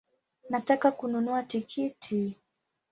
Nataka kununua tikiti